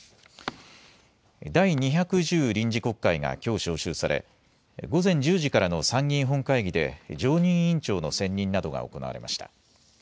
第２１０臨時国会がきょう召集され午前１０時からの参議院本会議で常任委員長の選任などが行われました。